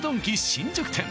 新宿店